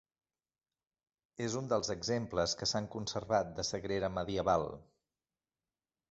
És un dels exemples que s'han conservat de sagrera medieval.